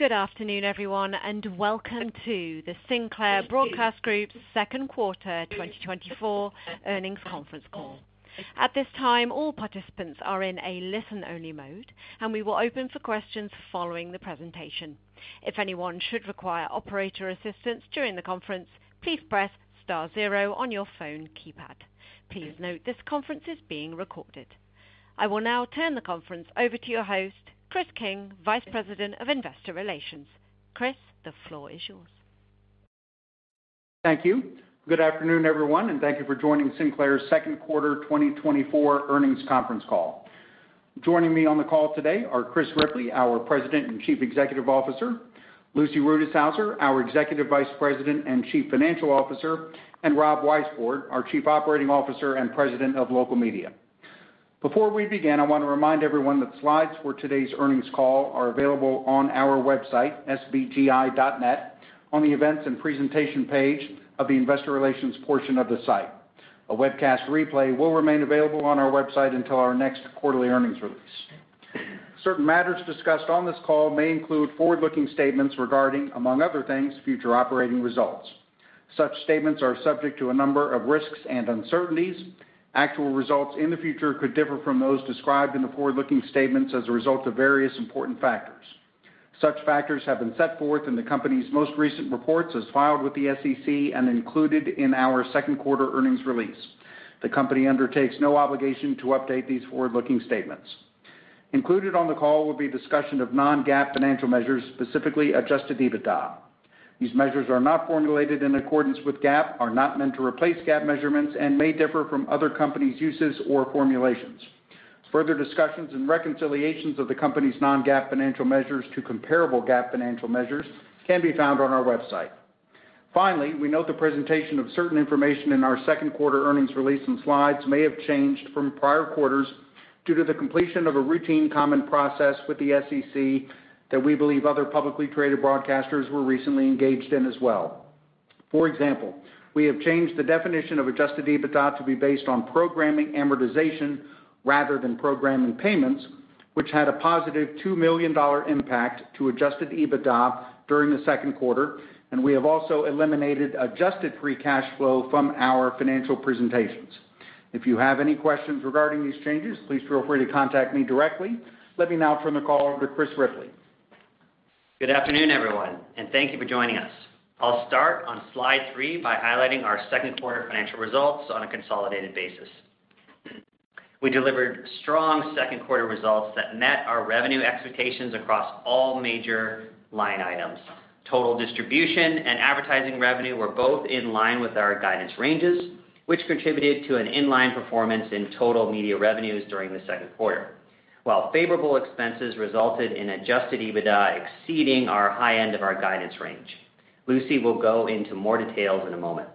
Good afternoon, everyone, and welcome to the Sinclair Broadcast Group's Second Quarter 2024 earnings conference call. At this time, all participants are in a listen-only mode, and we will open for questions following the presentation. If anyone should require operator assistance during the conference, please press star zero on your phone keypad. Please note this conference is being recorded. I will now turn the conference over to your host, Chris King, Vice President of Investor Relations. Chris, the floor is yours. Thank you. Good afternoon, everyone, and thank you for joining Sinclair's Second Quarter 2024 earnings conference call. Joining me on the call today are Chris Ripley, our President and Chief Executive Officer, Lucy Rutishauser, our Executive Vice President and Chief Financial Officer, and Rob Weisbord, our Chief Operating Officer and President of Local Media. Before we begin, I want to remind everyone that slides for today's earnings call are available on our website, sbgi.net, on the events and presentation page of the Investor Relations portion of the site. A webcast replay will remain available on our website until our next quarterly earnings release. Certain matters discussed on this call may include forward-looking statements regarding, among other things, future operating results. Such statements are subject to a number of risks and uncertainties. Actual results in the future could differ from those described in the forward-looking statements as a result of various important factors. Such factors have been set forth in the company's most recent reports as filed with the SEC and included in our Second Quarter earnings release. The company undertakes no obligation to update these forward-looking statements. Included on the call will be discussion of non-GAAP financial measures, specifically Adjusted EBITDA. These measures are not formulated in accordance with GAAP, are not meant to replace GAAP measurements, and may differ from other companies' uses or formulations. Further discussions and reconciliations of the company's non-GAAP financial measures to comparable GAAP financial measures can be found on our website. Finally, we note the presentation of certain information in our Second Quarter earnings release and slides may have changed from prior quarters due to the completion of a routine common process with the SEC that we believe other publicly traded broadcasters were recently engaged in as well. For example, we have changed the definition of Adjusted EBITDA to be based on programming amortization rather than programming payments, which had a positive $2 million impact to Adjusted EBITDA during the second quarter, and we have also eliminated adjusted free cash flow from our financial presentations. If you have any questions regarding these changes, please feel free to contact me directly. Let me now turn the call over to Chris Ripley. Good afternoon, everyone, and thank you for joining us. I'll start on slide three by highlighting our second quarter financial results on a consolidated basis. We delivered strong second quarter results that met our revenue expectations across all major line items. Total distribution and advertising revenue were both in line with our guidance ranges, which contributed to an in-line performance in total media revenues during the second quarter, while favorable expenses resulted in Adjusted EBITDA exceeding our high end of our guidance range. Lucy will go into more details in a moment.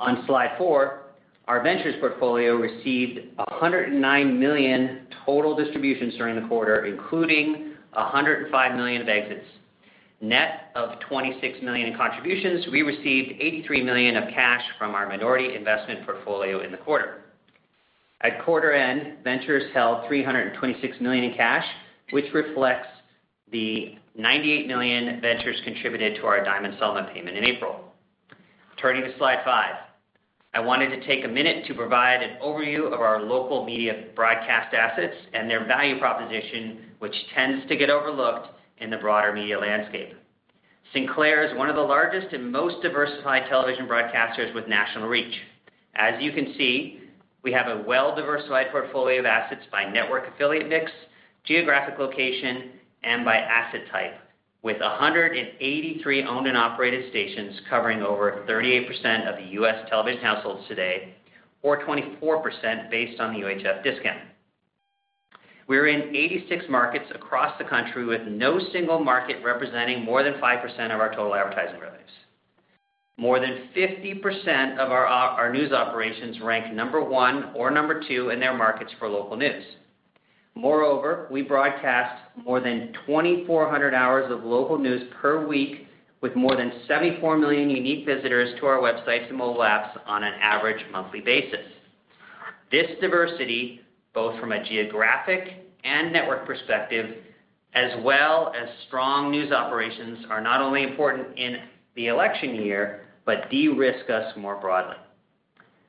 On slide four, our Ventures portfolio received $109 million total distributions during the quarter, including $105 million of exits. Net of $26 million in contributions, we received $83 million of cash from our minority investment portfolio in the quarter. At quarter end, Ventures held $326 million in cash, which reflects the $98 million Ventures contributed to our Diamond settlement payment in April. Turning to slide 5, I wanted to take a minute to provide an overview of our local media broadcast assets and their value proposition, which tends to get overlooked in the broader media landscape. Sinclair is one of the largest and most diversified television broadcasters with national reach. As you can see, we have a well-diversified portfolio of assets by network affiliate mix, geographic location, and by asset type, with 183 owned and operated stations covering over 38% of the US television households today, or 24% based on the UHF discount. We're in 86 markets across the country, with no single market representing more than 5% of our total advertising revenues. More than 50% of our news operations rank number one or number two in their markets for local news. Moreover, we broadcast more than 2,400 hours of local news per week, with more than 74 million unique visitors to our websites and mobile apps on an average monthly basis. This diversity, both from a geographic and network perspective, as well as strong news operations, is not only important in the election year but de-risk us more broadly.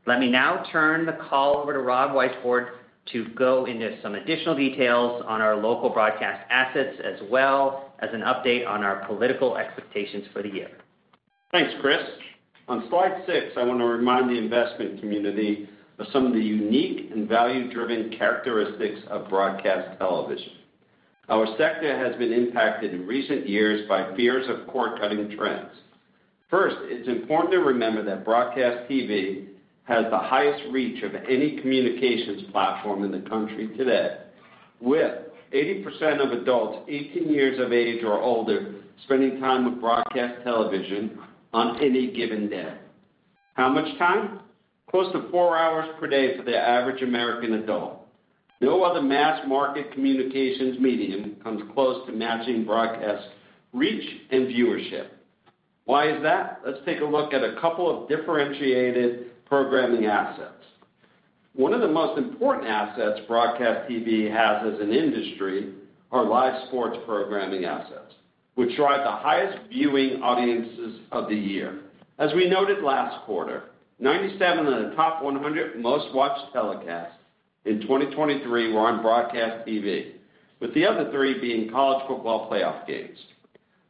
Let me now turn the call over to Rob Weisbord to go into some additional details on our local broadcast assets, as well as an update on our political expectations for the year. Thanks, Chris. On slide six, I want to remind the investment community of some of the unique and value-driven characteristics of broadcast television. Our sector has been impacted in recent years by fears of cord-cutting trends. First, it's important to remember that broadcast TV has the highest reach of any communications platform in the country today, with 80% of adults 18 years of age or older spending time with broadcast television on any given day. How much time? Close to four hours per day for the average American adult. No other mass market communications medium comes close to matching broadcast reach and viewership. Why is that? Let's take a look at a couple of differentiated programming assets. One of the most important assets broadcast TV has as an industry are live sports programming assets, which drive the highest viewing audiences of the year. As we noted last quarter, 97 of the top 100 most-watched telecasts in 2023 were on broadcast TV, with the other three being college football playoff games.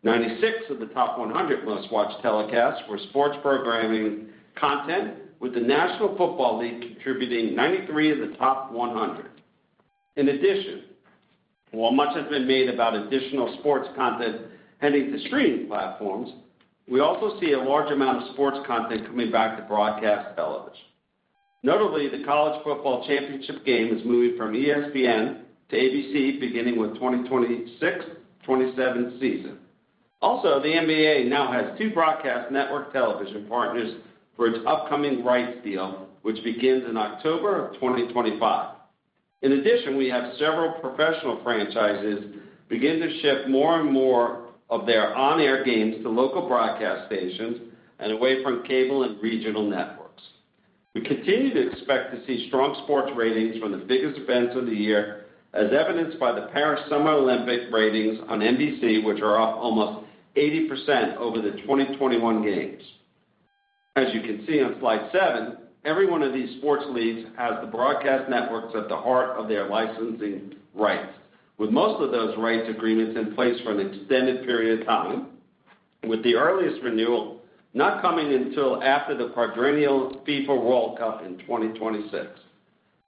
96 of the top 100 most-watched telecasts were sports programming content, with the National Football League contributing 93 of the top 100. In addition, while much has been made about additional sports content heading to streaming platforms, we also see a large amount of sports content coming back to broadcast television. Notably, the college football championship game is moving from ESPN to ABC, beginning with the 2026-27 season. Also, the NBA now has two broadcast network television partners for its upcoming rights deal, which begins in October of 2025. In addition, we have several professional franchises beginning to shift more and more of their on-air games to local broadcast stations and away from cable and regional networks. We continue to expect to see strong sports ratings from the biggest events of the year, as evidenced by the Paris Summer Olympics ratings on NBC, which are up almost 80% over the 2021 games. As you can see on slide 7, every one of these sports leagues has the broadcast networks at the heart of their licensing rights, with most of those rights agreements in place for an extended period of time, with the earliest renewal not coming until after the quadrennial FIFA World Cup in 2026.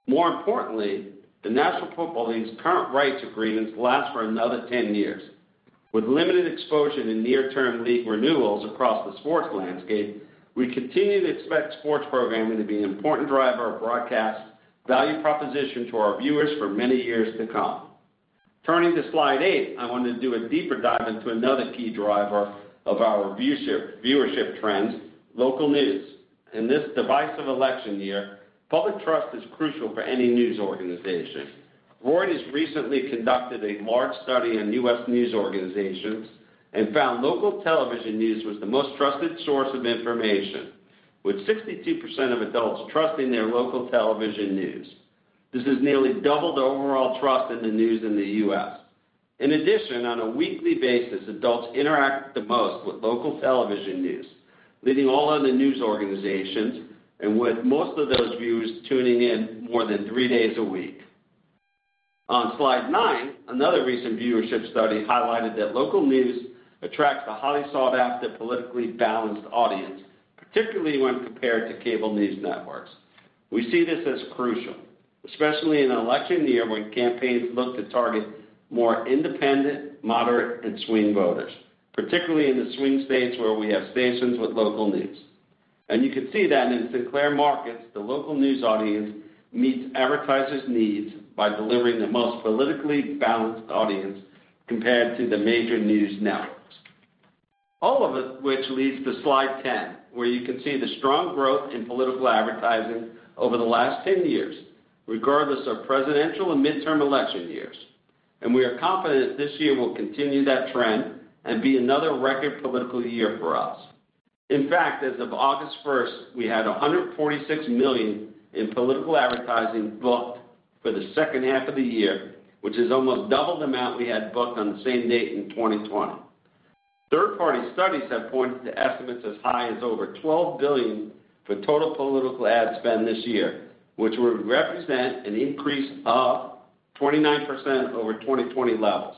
More importantly, the National Football League's current rights agreements last for another 10 years. With limited exposure to near-term league renewals across the sports landscape, we continue to expect sports programming to be an important driver of broadcast value proposition to our viewers for many years to come. Turning to slide eight, I wanted to do a deeper dive into another key driver of our viewership trends, local news. In this divisive election year, public trust is crucial for any news organization. Reuters has recently conducted a large study on US news organizations and found local television news was the most trusted source of information, with 62% of adults trusting their local television news. This has nearly doubled overall trust in the news in the US. In addition, on a weekly basis, adults interact the most with local television news, leading all other news organizations, and with most of those viewers tuning in more than three days a week. On slide nine, another recent viewership study highlighted that local news attracts a highly sought-after politically balanced audience, particularly when compared to cable news networks. We see this as crucial, especially in an election year when campaigns look to target more independent, moderate, and swing voters, particularly in the swing states where we have stations with local news. And you can see that in Sinclair markets, the local news audience meets advertisers' needs by delivering the most politically balanced audience compared to the major news networks, all of which leads to slide 10, where you can see the strong growth in political advertising over the last 10 years, regardless of presidential and midterm election years. And we are confident this year will continue that trend and be another record political year for us. In fact, as of August 1st, we had $146 million in political advertising booked for the second half of the year, which is almost double the amount we had booked on the same date in 2020. Third-party studies have pointed to estimates as high as over $12 billion for total political ad spend this year, which would represent an increase of 29% over 2020 levels,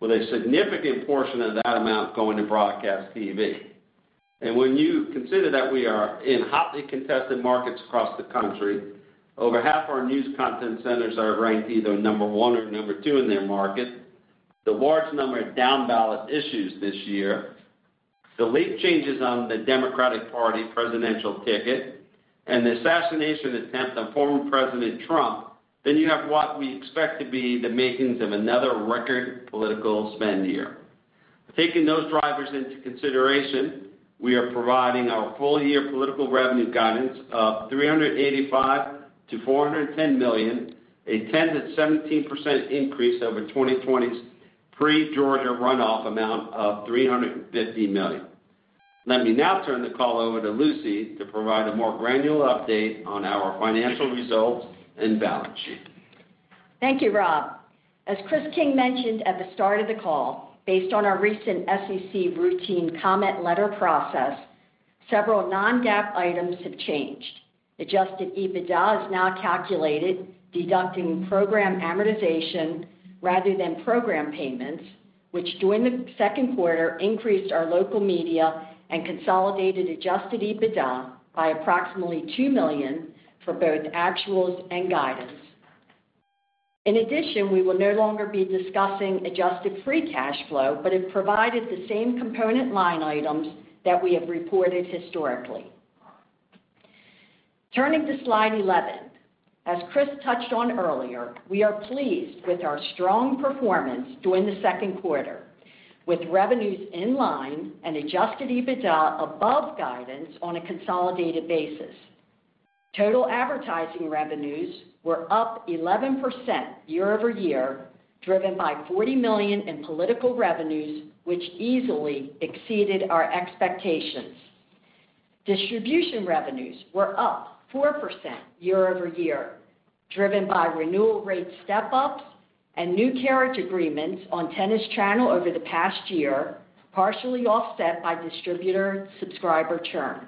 with a significant portion of that amount going to broadcast TV. When you consider that we are in hotly contested markets across the country, over half of our news content centers are ranked either number 1 or number 2 in their market, the large number of down-ballot issues this year, the late changes on the Democratic Party presidential ticket, and the assassination attempt on former President Trump, then you have what we expect to be the makings of another record political spend year. Taking those drivers into consideration, we are providing our full-year political revenue guidance of $385 million to $410 million, a 10% to 17% increase over 2020's pre-Georgia runoff amount of $350 million. Let me now turn the call over to Lucy to provide a more granular update on our financial results and balance sheet. Thank you, Rob. As Chris King mentioned at the start of the call, based on our recent SEC routine comment letter process, several non-GAAP items have changed. Adjusted EBITDA is now calculated, deducting program amortization rather than program payments, which during the second quarter increased our local media and consolidated adjusted EBITDA by approximately $2 million for both actuals and guidance. In addition, we will no longer be discussing adjusted free cash flow, but it provided the same component line items that we have reported historically. Turning to slide 11, as Chris touched on earlier, we are pleased with our strong performance during the second quarter, with revenues in line and adjusted EBITDA above guidance on a consolidated basis. Total advertising revenues were up 11% year-over-year, driven by $40 million in political revenues, which easily exceeded our expectations. Distribution revenues were up 4% year-over-year, driven by renewal rate step-ups and new carriage agreements on Tennis Channel over the past year, partially offset by distributor subscriber churn.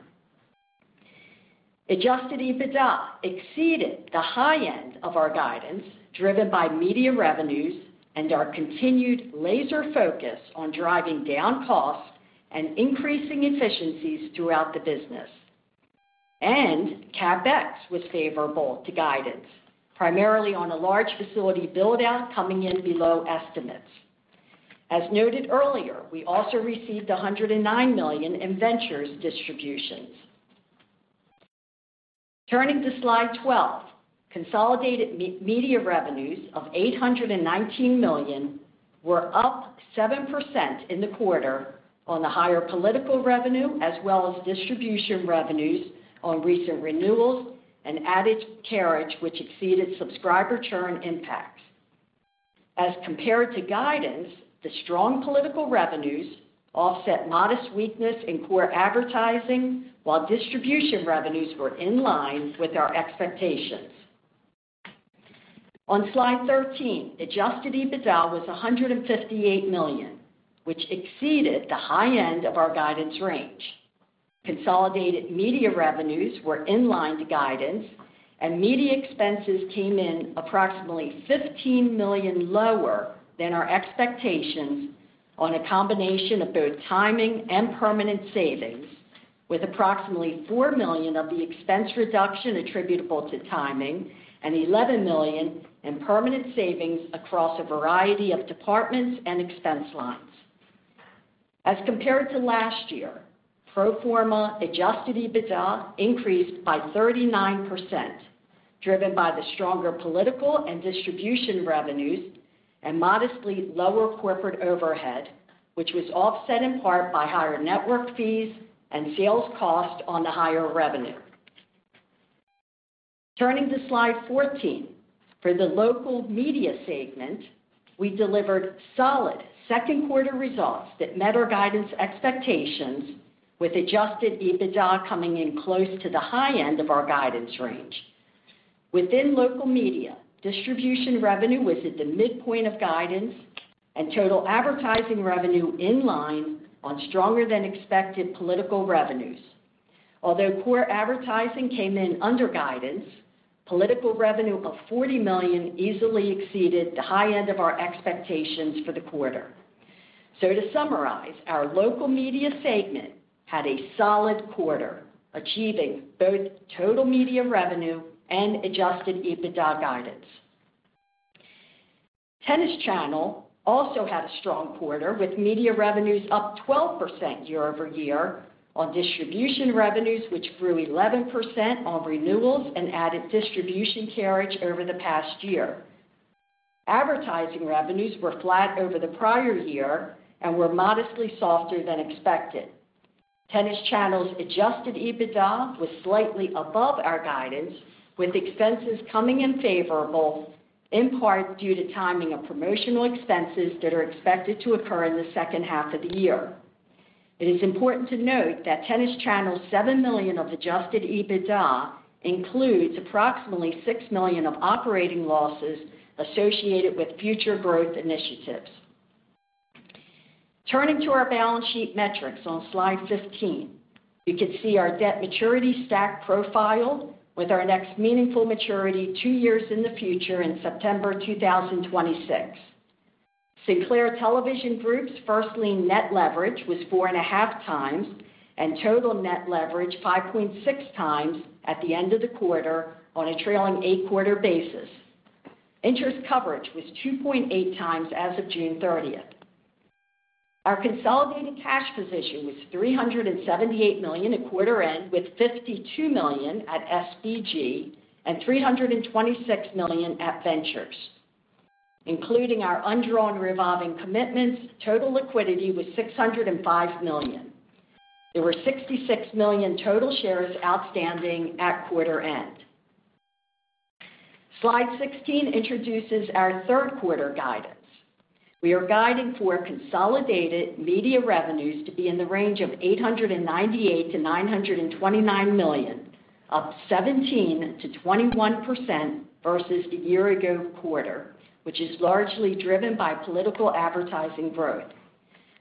Adjusted EBITDA exceeded the high end of our guidance, driven by media revenues and our continued laser focus on driving down costs and increasing efficiencies throughout the business. CapEx was favorable to guidance, primarily on a large facility build-out coming in below estimates. As noted earlier, we also received $109 million in Ventures distributions. Turning to slide 12, consolidated media revenues of $819 million were up 7% in the quarter on the higher political revenue, as well as distribution revenues on recent renewals and added carriage, which exceeded subscriber churn impacts. As compared to guidance, the strong political revenues offset modest weakness in core advertising, while distribution revenues were in line with our expectations. On slide 13, Adjusted EBITDA was $158 million, which exceeded the high end of our guidance range. Consolidated media revenues were in line to guidance, and media expenses came in approximately $15 million lower than our expectations on a combination of both timing and permanent savings, with approximately $4 million of the expense reduction attributable to timing and $11 million in permanent savings across a variety of departments and expense lines. As compared to last year, pro forma Adjusted EBITDA increased by 39%, driven by the stronger political and distribution revenues and modestly lower corporate overhead, which was offset in part by higher network fees and sales cost on the higher revenue. Turning to slide 14, for the local media segment, we delivered solid second-quarter results that met our guidance expectations, with Adjusted EBITDA coming in close to the high end of our guidance range. Within local media, distribution revenue was at the midpoint of guidance, and total advertising revenue in line on stronger-than-expected political revenues. Although core advertising came in under guidance, political revenue of $40 million easily exceeded the high end of our expectations for the quarter. So to summarize, our local media segment had a solid quarter, achieving both total media revenue and Adjusted EBITDA guidance. Tennis Channel also had a strong quarter, with media revenues up 12% year-over-year on distribution revenues, which grew 11% on renewals and added distribution carriage over the past year. Advertising revenues were flat over the prior year and were modestly softer than expected. Tennis Channel's Adjusted EBITDA was slightly above our guidance, with expenses coming in favorable, in part due to timing of promotional expenses that are expected to occur in the second half of the year. It is important to note that Tennis Channel's $7 million of Adjusted EBITDA includes approximately $6 million of operating losses associated with future growth initiatives. Turning to our balance sheet metrics on slide 15, you can see our debt maturity stack profile with our next meaningful maturity two years in the future in September 2026. Sinclair Television Group's first-lien net leverage was 4.5 times and total net leverage 5.6 times at the end of the quarter on a trailing eight-quarter basis. Interest coverage was 2.8 times as of June 30th. Our consolidated cash position was $378 million at quarter end, with $52 million at SVG and $326 million at Ventures. Including our undrawn revolving commitments, total liquidity was $605 million. There were 66 million total shares outstanding at quarter end. Slide 16 introduces our third-quarter guidance. We are guiding for consolidated media revenues to be in the range of $898 million to $929 million, up 17% to 21% versus the year-ago quarter, which is largely driven by political advertising growth.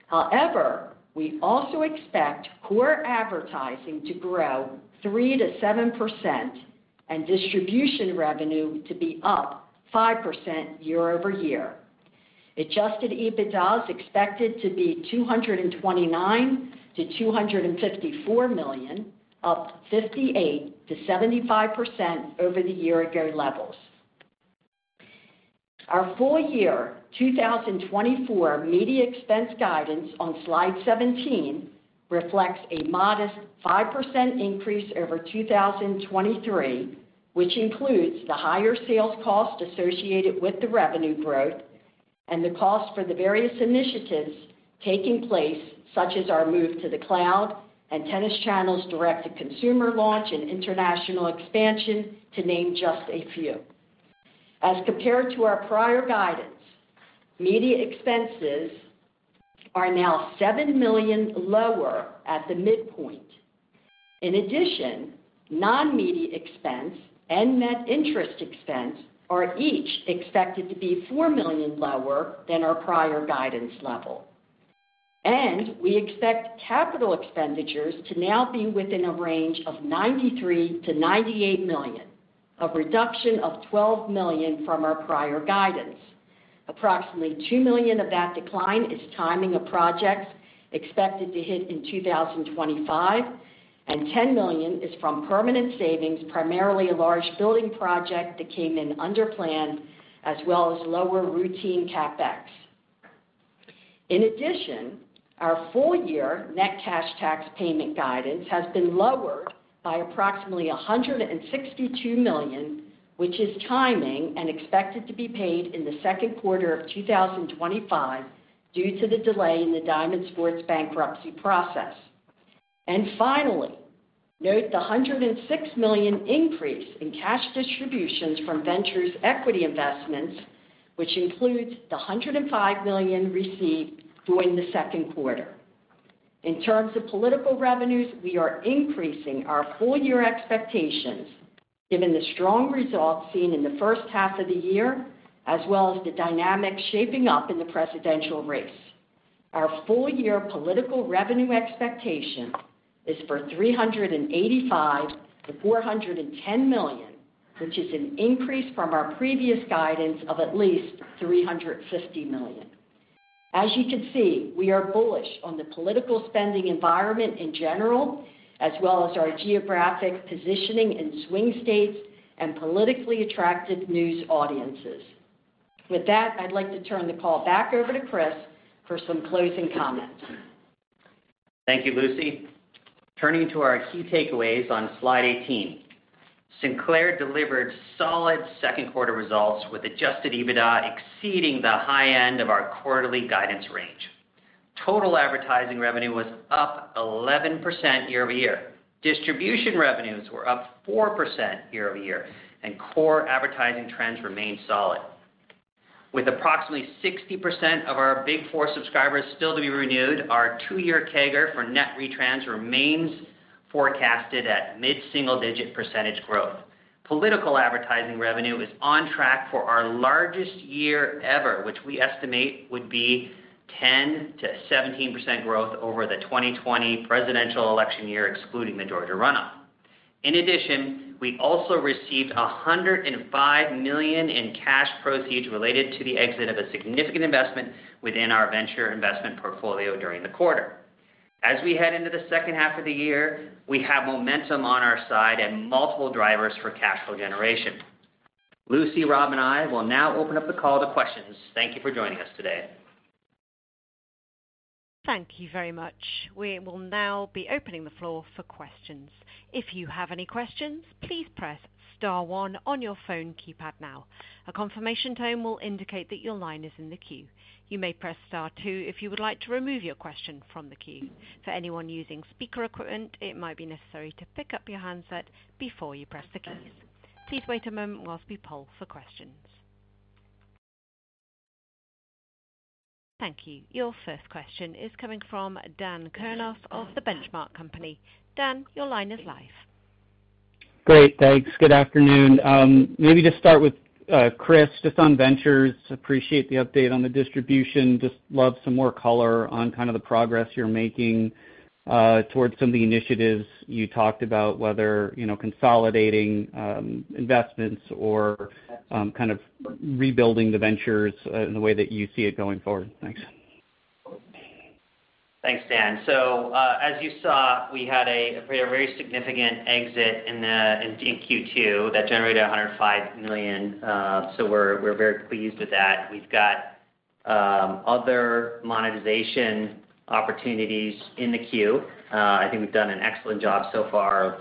However, we also expect core advertising to grow 3% to 7% and distribution revenue to be up 5% year-over-year. Adjusted EBITDA is expected to be $229 million to $254 million, up 58% to 75% over the year-ago levels. Our full-year 2024 media expense guidance on slide 17 reflects a modest 5% increase over 2023, which includes the higher sales cost associated with the revenue growth and the cost for the various initiatives taking place, such as our move to the cloud and Tennis Channel's direct-to-consumer launch and international expansion, to name just a few. As compared to our prior guidance, media expenses are now $7 million lower at the midpoint. In addition, non-media expense and net interest expense are each expected to be $4 million lower than our prior guidance level. And we expect capital expenditures to now be within a range of $93 million to $98 million, a reduction of $12 million from our prior guidance. Approximately $2 million of that decline is timing of projects expected to hit in 2025, and $10 million is from permanent savings, primarily a large building project that came in under planned, as well as lower routine CapEx. In addition, our full-year net cash tax payment guidance has been lowered by approximately $162 million, which is timing and expected to be paid in the second quarter of 2025 due to the delay in the Diamond Sports bankruptcy process. And finally, note the $106 million increase in cash distributions from Ventures' equity investments, which includes the $105 million received during the second quarter. In terms of political revenues, we are increasing our full-year expectations given the strong results seen in the first half of the year, as well as the dynamic shaping up in the presidential race. Our full-year political revenue expectation is for $385 million to $410 million, which is an increase from our previous guidance of at least $350 million. As you can see, we are bullish on the political spending environment in general, as well as our geographic positioning in swing states and politically attracted news audiences. With that, I'd like to turn the call back over to Chris for some closing comments. Thank you, Lucy. Turning to our key takeaways on slide 18, Sinclair delivered solid second-quarter results with Adjusted EBITDA exceeding the high end of our quarterly guidance range. Total advertising revenue was up 11% year-over-year. Distribution revenues were up 4% year-over-year, and Core Advertising trends remained solid. With approximately 60% of our Big Four subscribers still to be renewed, our two-year CAGR for net retrans remains forecasted at mid-single-digit percentage growth. Political advertising revenue is on track for our largest year ever, which we estimate would be 10% to 17% growth over the 2020 presidential election year, excluding the Georgia runoff. In addition, we also received $105 million in cash proceeds related to the exit of a significant investment within our venture investment portfolio during the quarter. As we head into the second half of the year, we have momentum on our side and multiple drivers for cash flow generation. Lucy, Rob, and I will now open up the call to questions. Thank you for joining us today. Thank you very much. We will now be opening the floor for questions. If you have any questions, please press Star 1 on your phone keypad now. A confirmation tone will indicate that your line is in the queue. You may press Star 2 if you would like to remove your question from the queue. For anyone using speaker equipment, it might be necessary to pick up your handset before you press the keys. Please wait a moment while we poll for questions. Thank you. Your first question is coming from Dan Kurnos of The Benchmark Company. Dan, your line is live. Great. Thanks. Good afternoon. Maybe to start with, Chris, just on Ventures, appreciate the update on the distribution. Just love some more color on kind of the progress you're making towards some of the initiatives you talked about, whether consolidating investments or kind of rebuilding the Ventures in the way that you see it going forward. Thanks. Thanks, Dan. So as you saw, we had a very significant exit in Q2 that generated $105 million. So we're very pleased with that. We've got other monetization opportunities in the queue. I think we've done an excellent job so far of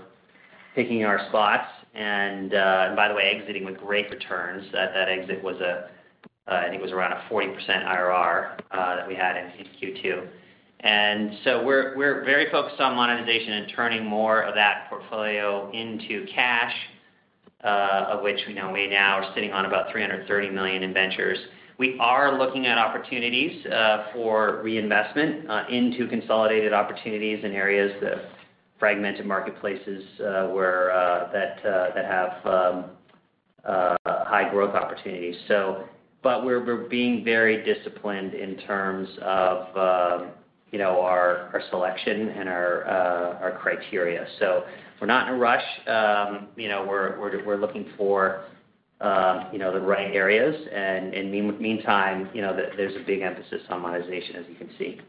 picking our spots. And by the way, exiting with great returns. That exit was a, I think it was around a 40% IRR that we had in Q2. And so we're very focused on monetization and turning more of that portfolio into cash, of which we now are sitting on about $330 million in ventures. We are looking at opportunities for reinvestment into consolidated opportunities in areas that have fragmented marketplaces that have high growth opportunities. But we're being very disciplined in terms of our selection and our criteria. So we're not in a rush. We're looking for the right areas. In the meantime, there's a big emphasis on monetization, as you can see.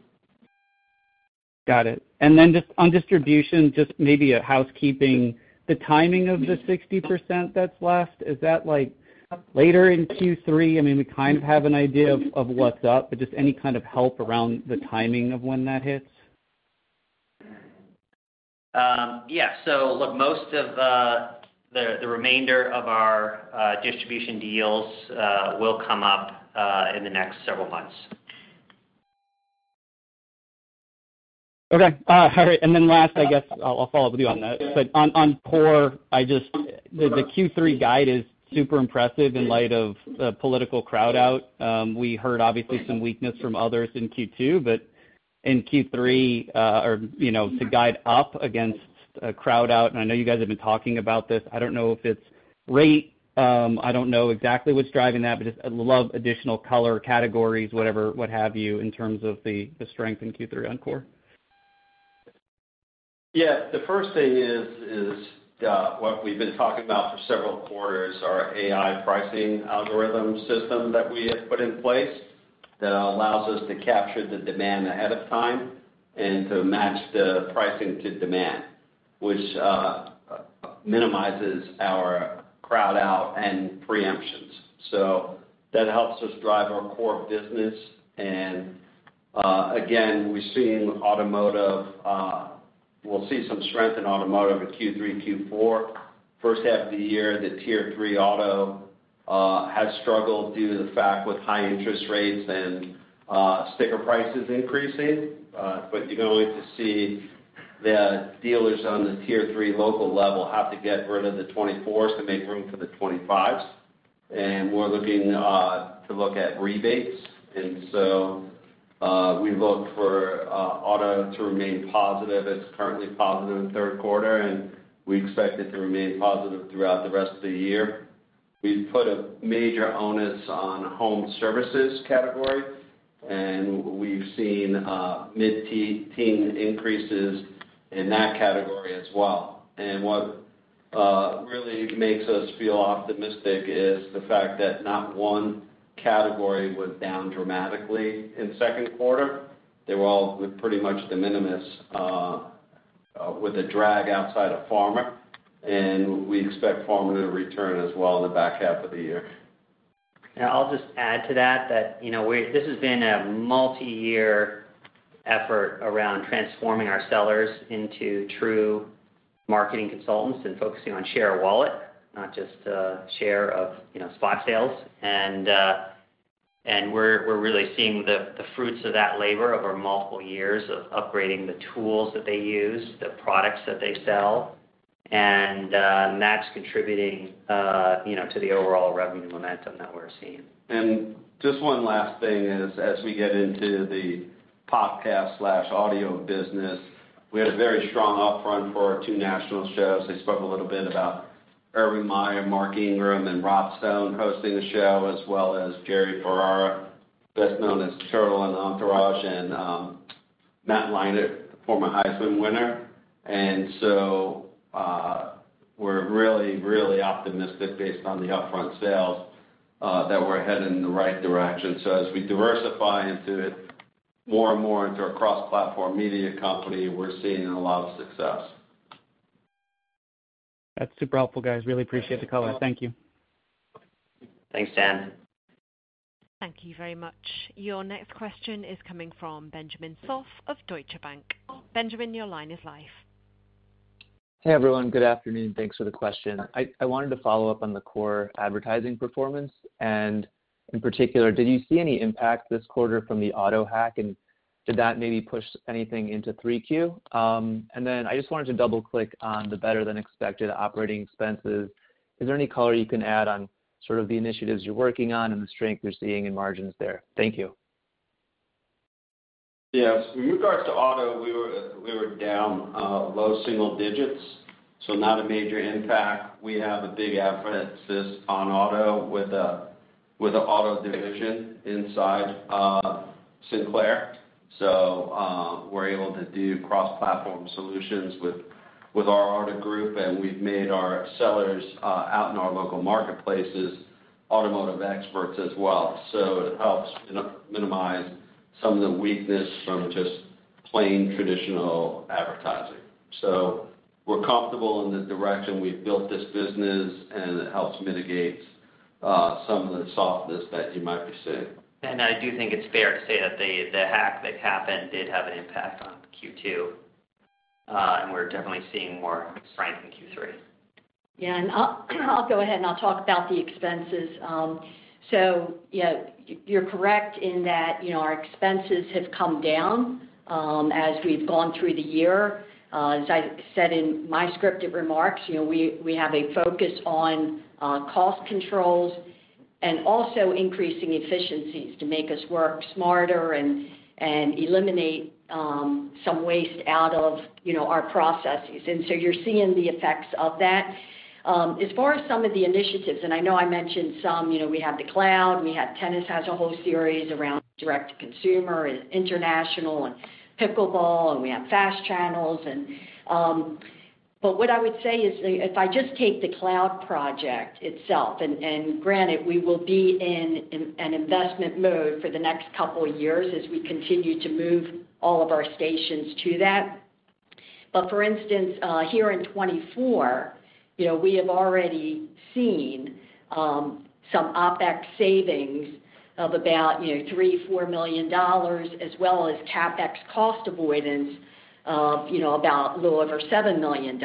Got it. And then just on distribution, just maybe a housekeeping, the timing of the 60% that's left, is that later in Q3? I mean, we kind of have an idea of what's up, but just any kind of help around the timing of when that hits? Yeah. So look, most of the remainder of our distribution deals will come up in the next several months. Okay. All right. And then last, I guess I'll follow up with you on that. But on core, the Q3 guide is super impressive in light of the political crowd out. We heard, obviously, some weakness from others in Q2, but in Q3, to guide up against a crowd out, and I know you guys have been talking about this. I don't know if it's rate. I don't know exactly what's driving that, but I love additional color categories, what have you, in terms of the strength in Q3 on core. Yeah. The first thing is what we've been talking about for several quarters, our AI pricing algorithm system that we have put in place that allows us to capture the demand ahead of time and to match the pricing to demand, which minimizes our crowd out and preemptions. So that helps us drive our core business. And again, we've seen automotive; we'll see some strength in automotive in Q3, Q4. First half of the year, the Tier 3 Auto has struggled due to the fact with high interest rates and sticker prices increasing. But you're going to see the dealers on the Tier 3 local level have to get rid of the 2024s to make room for the 2025s. And we're looking to look at rebates. And so we look for auto to remain positive. It's currently positive in third quarter, and we expect it to remain positive throughout the rest of the year. We've put a major onus on home services category, and we've seen mid-teen increases in that category as well. What really makes us feel optimistic is the fact that not one category was down dramatically in second quarter. They were all pretty much at the minimums with a drag outside of pharma. We expect pharma to return as well in the back half of the year. Yeah. I'll just add to that that this has been a multi-year effort around transforming our sellers into true marketing consultants and focusing on share wallet, not just share of spot sales. And we're really seeing the fruits of that labor over multiple years of upgrading the tools that they use, the products that they sell, and that's contributing to the overall revenue momentum that we're seeing. And just one last thing is, as we get into the podcast/audio business, we had a very strong upfront for our two national shows. I spoke a little bit about Urban Meyer, Mark Ingram II and Rob Stone hosting the show, as well as Jerry Ferrara, best known as Turtle in Entourage, and Matt Leinart, former Heisman winner. And so we're really, really optimistic based on the upfront sales that we're heading in the right direction. So as we diversify into it more and more into a cross-platform media company, we're seeing a lot of success. That's super helpful, guys. Really appreciate the color. Thank you. Thanks, Dan. Thank you very much. Your next question is coming from Benjamin Sopp of Deutsche Bank. Benjamin, your line is live. Hey, everyone. Good afternoon. Thanks for the question. I wanted to follow up on the Core Advertising performance. In particular, did you see any impact this quarter from the auto hack, and did that maybe push anything into 3Q? Then I just wanted to double-click on the better-than-expected operating expenses. Is there any color you can add on sort of the initiatives you're working on and the strength you're seeing in margins there? Thank you. Yes. In regards to auto, we were down low single digits, so not a major impact. We have a big advantage on auto with an auto division inside Sinclair. So we're able to do cross-platform solutions with our auto group, and we've made our sellers out in our local marketplaces automotive experts as well. So it helps minimize some of the weakness from just plain traditional advertising. So we're comfortable in the direction we've built this business, and it helps mitigate some of the softness that you might be seeing. I do think it's fair to say that the hack that happened did have an impact on Q2, and we're definitely seeing more strength in Q3. Yeah. And I'll go ahead and I'll talk about the expenses. So yeah, you're correct in that our expenses have come down as we've gone through the year. As I said in my scripted remarks, we have a focus on cost controls and also increasing efficiencies to make us work smarter and eliminate some waste out of our processes. And so you're seeing the effects of that. As far as some of the initiatives, and I know I mentioned some, we have the cloud, we have Tennis Channel, we have a whole series around direct-to-consumer and international and pickleball, and we have fast channels. But what I would say is if I just take the cloud project itself, and granted, we will be in an investment mode for the next couple of years as we continue to move all of our stations to that. But for instance, here in 2024, we have already seen some OpEx savings of about $3 to $4 million, as well as CapEx cost avoidance of about a little over $7 million.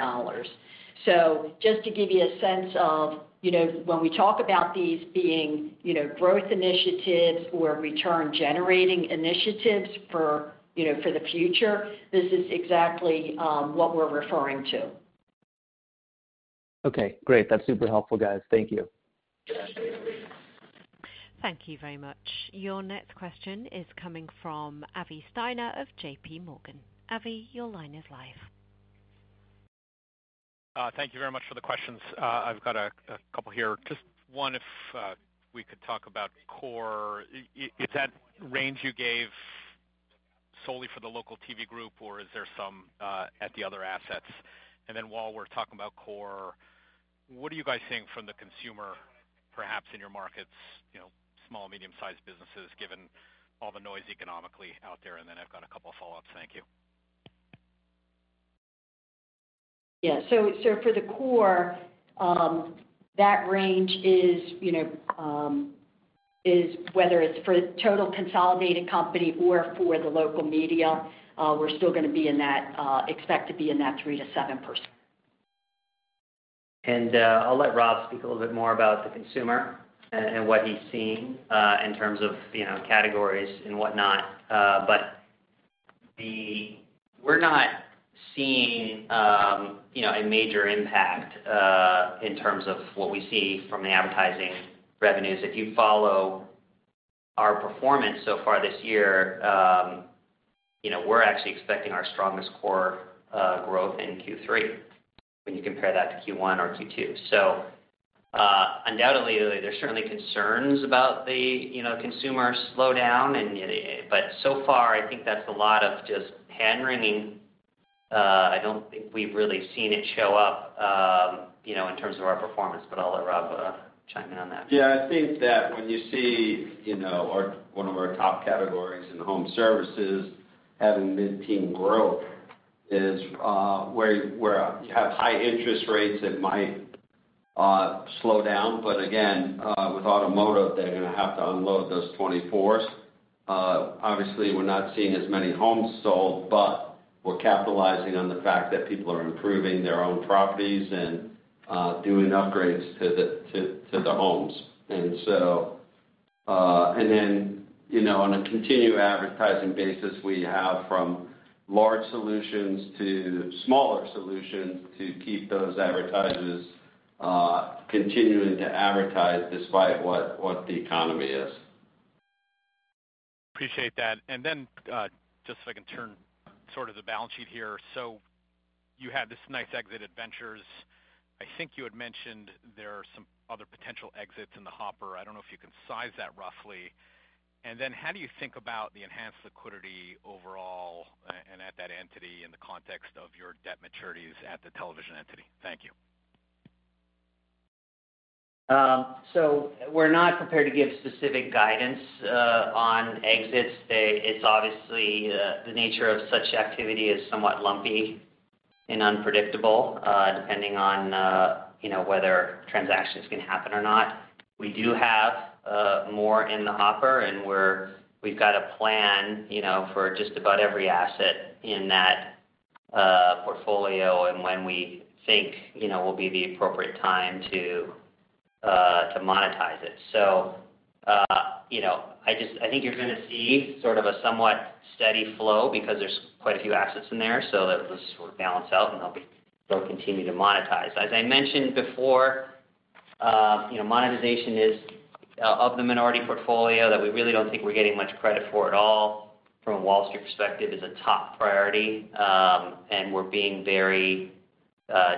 So just to give you a sense of when we talk about these being growth initiatives or return-generating initiatives for the future, this is exactly what we're referring to. Okay. Great. That's super helpful, guys. Thank you. Thank you very much. Your next question is coming from Avi Steiner of J.P. Morgan. Avi, your line is live. Thank you very much for the questions. I've got a couple here. Just one, if we could talk about core. Is that range you gave solely for the local TV group, or is there some at the other assets? And then while we're talking about core, what are you guys seeing from the consumer, perhaps in your markets, small, medium-sized businesses, given all the noise economically out there? And then I've got a couple of follow-ups. Thank you. Yeah. So for the core, that range is whether it's for the total consolidated company or for the local media, we're still going to be in that, expect to be in that 3% to 7%. I'll let Rob speak a little bit more about the consumer and what he's seen in terms of categories and whatnot. We're not seeing a major impact in terms of what we see from the advertising revenues. If you follow our performance so far this year, we're actually expecting our strongest core growth in Q3 when you compare that to Q1 or Q2. Undoubtedly, there's certainly concerns about the consumer slowdown. So far, I think that's a lot of just hand-wringing. I don't think we've really seen it show up in terms of our performance, but I'll let Rob chime in on that. Yeah. I think that when you see one of our top categories in home services having mid-teen growth is where you have high interest rates that might slow down. But again, with automotive, they're going to have to unload those 24s. Obviously, we're not seeing as many homes sold, but we're capitalizing on the fact that people are improving their own properties and doing upgrades to the homes. And then on a continued advertising basis, we have from large solutions to smaller solutions to keep those advertisers continuing to advertise despite what the economy is. Appreciate that. And then just so I can turn sort of the balance sheet here. So you had this nice exit at Ventures. I think you had mentioned there are some other potential exits in the hopper. I don't know if you can size that roughly. And then how do you think about the enhanced liquidity overall and at that entity in the context of your debt maturities at the television entity? Thank you. We're not prepared to give specific guidance on exits. It's obviously the nature of such activity is somewhat lumpy and unpredictable depending on whether transactions can happen or not. We do have more in the hopper, and we've got a plan for just about every asset in that portfolio and when we think will be the appropriate time to monetize it. I think you're going to see sort of a somewhat steady flow because there's quite a few assets in there. That will sort of balance out, and they'll continue to monetize. As I mentioned before, monetization is of the minority portfolio that we really don't think we're getting much credit for at all from a Wall Street perspective is a top priority. We're being very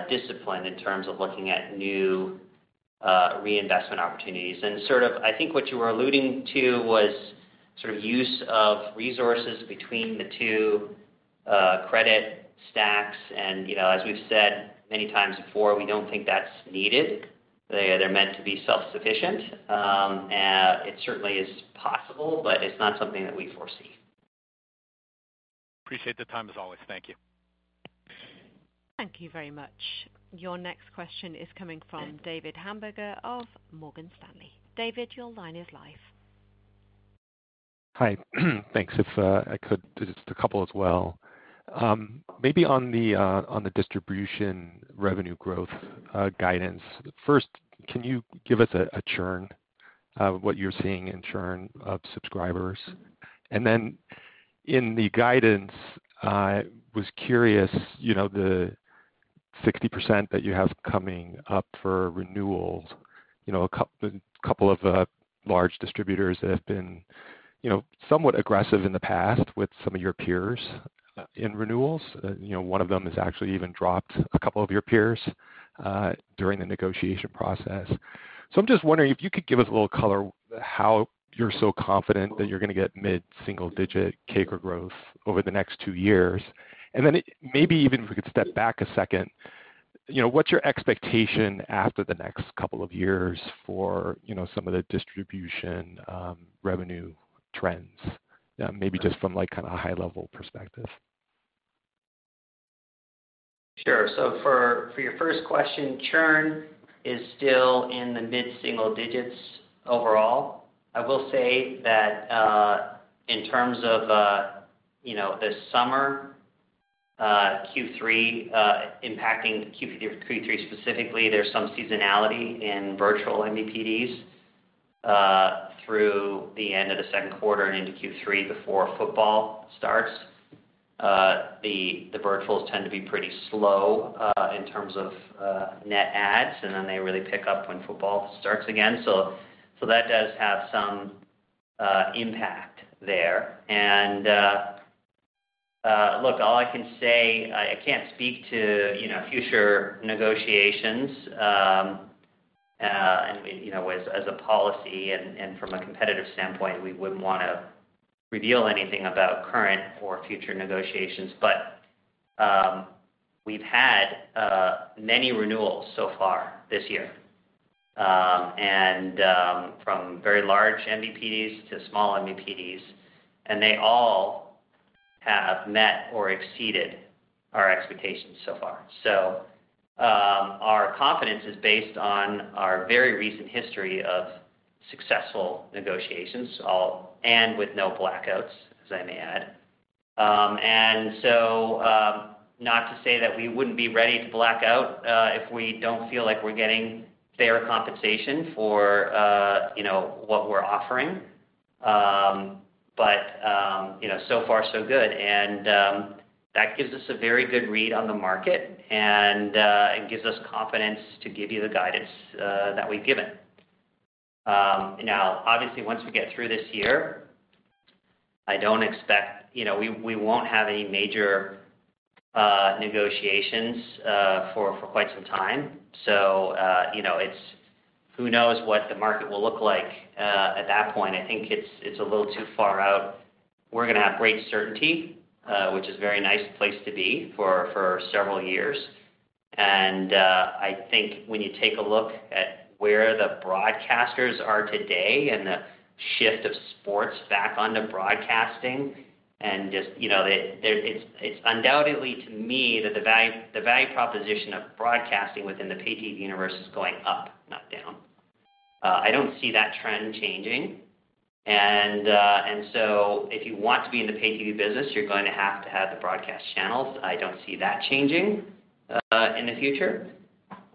disciplined in terms of looking at new reinvestment opportunities. Sort of, I think what you were alluding to was sort of use of resources between the two credit stacks. As we've said many times before, we don't think that's needed. They're meant to be self-sufficient. It certainly is possible, but it's not something that we foresee. Appreciate the time as always. Thank you. Thank you very much. Your next question is coming from David Hamburger of Morgan Stanley. David, your line is live. Hi. Thanks. If I could, just a couple as well. Maybe on the distribution revenue growth guidance, first, can you give us a churn of what you're seeing in churn of subscribers? And then in the guidance, I was curious, the 60% that you have coming up for renewals, a couple of large distributors that have been somewhat aggressive in the past with some of your peers in renewals. One of them has actually even dropped a couple of your peers during the negotiation process. So I'm just wondering if you could give us a little color how you're so confident that you're going to get mid-single-digit CAGR growth over the next 2 years. And then maybe even if we could step back a second, what's your expectation after the next couple of years for some of the distribution revenue trends, maybe just from kind of a high-level perspective? Sure. So for your first question, churn is still in the mid-single digits overall. I will say that in terms of the summer, Q3 impacting Q3 specifically, there's some seasonality in virtual MVPDs through the end of the second quarter and into Q3 before football starts. The virtuals tend to be pretty slow in terms of net adds, and then they really pick up when football starts again. So that does have some impact there. And look, all I can say, I can't speak to future negotiations. And as a policy and from a competitive standpoint, we wouldn't want to reveal anything about current or future negotiations. But we've had many renewals so far this year, and from very large MVPDs to small MVPDs, and they all have met or exceeded our expectations so far. So our confidence is based on our very recent history of successful negotiations, and with no blackouts, as I may add. And so, not to say that we wouldn't be ready to black out if we don't feel like we're getting fair compensation for what we're offering. But so far, so good. And that gives us a very good read on the market and gives us confidence to give you the guidance that we've given. Now, obviously, once we get through this year, I don't expect we won't have any major negotiations for quite some time. So who knows what the market will look like at that point? I think it's a little too far out. We're going to have great certainty, which is a very nice place to be for several years. I think when you take a look at where the broadcasters are today and the shift of sports back onto broadcasting, and just it's undoubtedly to me that the value proposition of broadcasting within the pay-TV universe is going up, not down. I don't see that trend changing. And so if you want to be in the pay-TV business, you're going to have to have the broadcast channels. I don't see that changing in the future.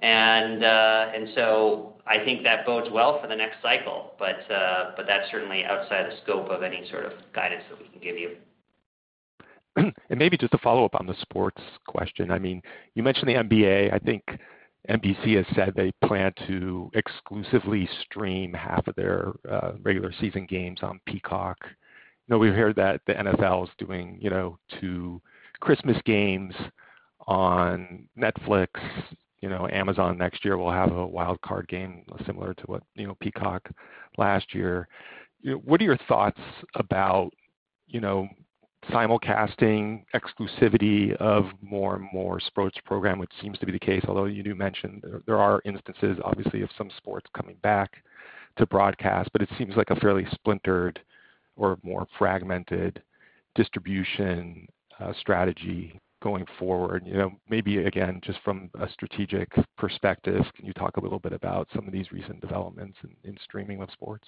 And so I think that bodes well for the next cycle, but that's certainly outside the scope of any sort of guidance that we can give you. Maybe just a follow-up on the sports question. I mean, you mentioned the NBA. I think NBC has said they plan to exclusively stream half of their regular season games on Peacock. We heard that the NFL is doing 2 Christmas games on Netflix. Amazon next year will have a wild card game similar to what Peacock last year. What are your thoughts about simulcasting, exclusivity of more and more sports programs, which seems to be the case, although you do mention there are instances, obviously, of some sports coming back to broadcast, but it seems like a fairly splintered or more fragmented distribution strategy going forward. Maybe again, just from a strategic perspective, can you talk a little bit about some of these recent developments in streaming of sports?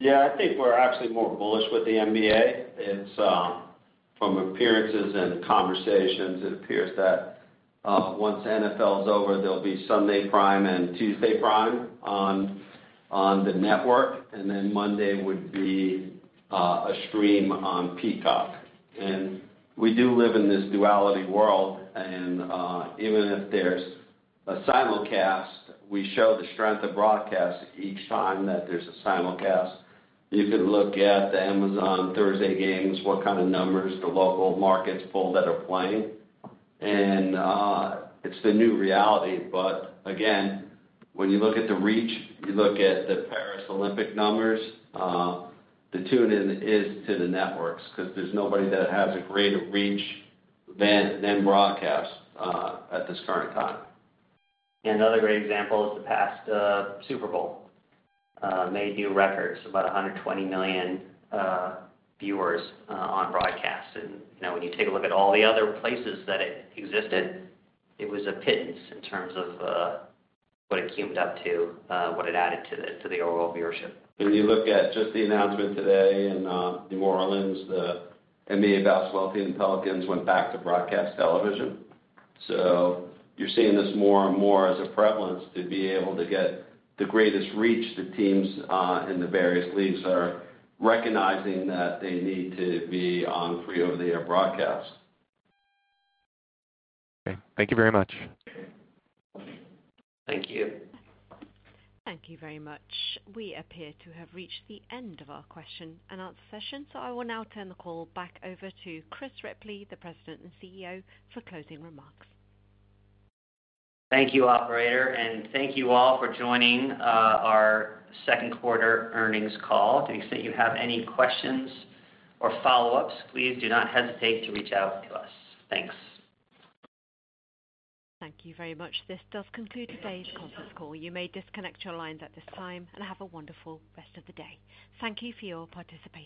Yeah. I think we're actually more bullish with the NBA. From appearances and conversations, it appears that once NFL is over, there'll be Sunday Prime and Tuesday Prime on the network, and then Monday would be a stream on Peacock. And we do live in this duality world. And even if there's a simulcast, we show the strength of broadcast each time that there's a simulcast. You can look at the Amazon Thursday games, what kind of numbers the local markets pulled that are playing. And it's the new reality. But again, when you look at the reach, you look at the Paris Olympic numbers, the tune is to the networks because there's nobody that has a greater reach than broadcast at this current time. Another great example is the past Super Bowl. They made new records, about 120 million viewers on broadcast. And when you take a look at all the other places that it existed, it was a pittance in terms of what it cume up to, what it added to the overall viewership. When you look at just the announcement today in New Orleans, the NBA basketball team and Pelicans went back to broadcast television. So you're seeing this more and more as a prevalence to be able to get the greatest reach to teams in the various leagues that are recognizing that they need to be on free-over-the-air broadcast. Okay. Thank you very much. Thank you. Thank you very much. We appear to have reached the end of our question and answer session. I will now turn the call back over to Chris Ripley, the President and CEO, for closing remarks. Thank you, operator. Thank you all for joining our second quarter earnings call. To the extent you have any questions or follow-ups, please do not hesitate to reach out to us. Thanks. Thank you very much. This does conclude today's conference call. You may disconnect your lines at this time and have a wonderful rest of the day. Thank you for your participation.